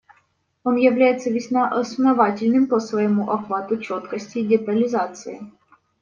Он является весьма основательным по своему охвату, четкости и детализации.